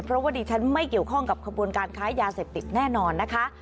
เพราะว่าดิฉันไม่เกี่ยวข้องกับขบวนการค้ายาเสพติดแน่นอนนะคะ